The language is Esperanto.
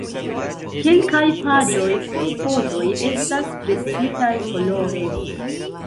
Kelkaj paĝoj kun fotoj estas presitaj kolore.